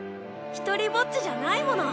ひとりぼっちじゃないもの。